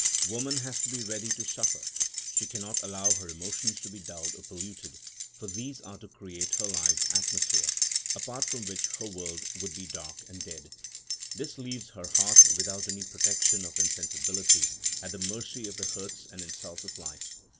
Woman has to be ready to suffer. She cannot allow her emotions to be dulled or polluted, for these are to create her life's atmosphere, apart from which her world would be dark and dead. This leaves her heart without any protection of insensibility, at the mercy of the hurts and insults of life.